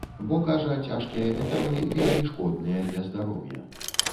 Бо, кажа, цяжкія металы вельмі шкодныя для здароўя.